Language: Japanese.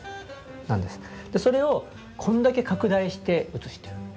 それをこんだけ拡大して写してる。